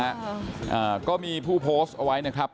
อ่าก็มีผู้โพสต์เอาไว้นะครับ